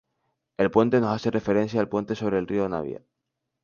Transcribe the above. El puente nos hace referencia al puente sobre el río Navia.